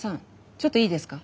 ちょっといいですか？